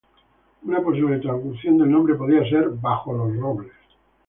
Una posible traducción del nombre podría ser "bajo los robles".